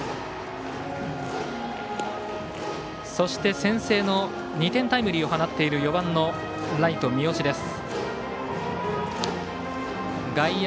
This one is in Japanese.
そして先制の２点タイムリーを放っている４番、ライト三好です。